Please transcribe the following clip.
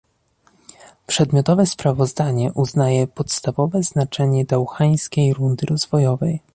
Przedmiotowe sprawozdanie uznaje podstawowe znaczenie dauhańskiej rundy rozwojowej